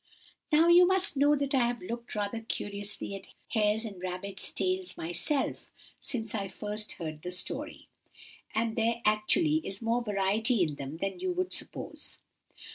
"Now you must know that I have looked rather curiously at hares' and rabbits' tails myself since I first heard the story; and there actually is more variety in them than you would suppose.